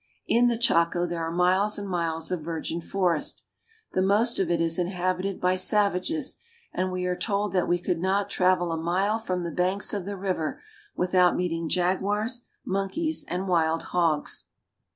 In the Chaco there are miles and miles of virgin forest. The most of it is inhabited by savages, and we are told that we could not travel a mile from the banks of the riyer without meeting jaguars, monkeys, and wild hogs.